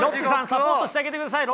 サポートしてあげてください。